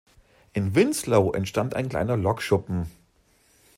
In Winslow entstand ein kleiner Lokschuppen.